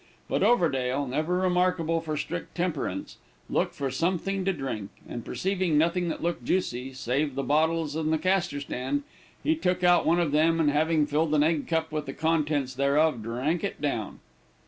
But Overdale, never remarkable for strict temperance, looked for something to drink, and perceiving nothing that looked juicy, save the bottles in the castor stand, he took out one of them, and having filled an egg cup with the contents thereof, drank it down.